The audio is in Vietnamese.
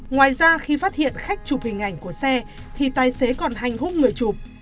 ngoài ra khi phát hiện khách chụp hình ảnh của xe thì tài xế còn hành hung người chụp